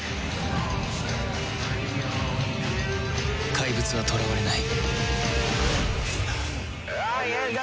怪物は囚われない